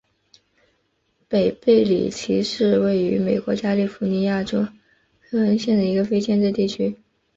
北贝里奇是位于美国加利福尼亚州克恩县的一个非建制地区。